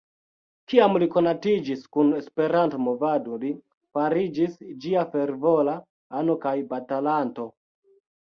Kiam li konatiĝis kun Esperanto-movado, li fariĝis ĝia fervora ano kaj batalanto.